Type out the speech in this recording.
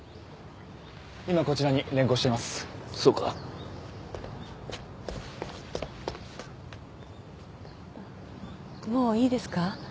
今こちらに連行していますそうかもういいですか？